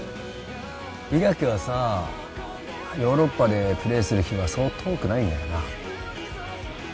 伊垣はさヨーロッパでプレーする日はそう遠くないんだよな？